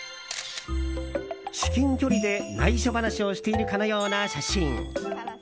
至近距離でナイショ話をしているかのような写真。